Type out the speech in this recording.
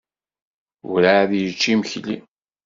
Werɛad yečči imekli.